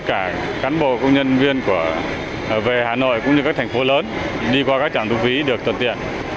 của công nhân viên về hà nội cũng như các thành phố lớn đi qua các trạm thu phí được tận tiện